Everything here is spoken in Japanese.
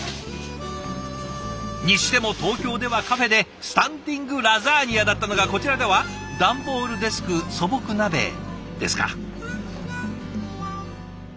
にしても東京ではカフェでスタンディングラザニアだったのがこちらでは段ボールデスク素朴鍋ですか。